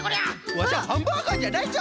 ワシはハンバーガーじゃないぞ！